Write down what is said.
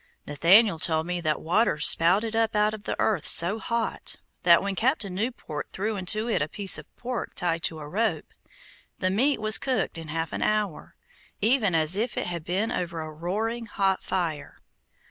Nathaniel told me that water spouted up out of the earth so hot, that when Captain Newport threw into it a piece of pork tied to a rope, the meat was cooked in half an hour, even as if it had been over a roaring hot fire.